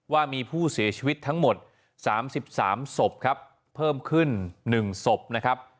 ว่ามีผู้เสียชีวิตทั้งหมด๓๓ศพครับเพิ่มขึ้น๑ศพนะครับ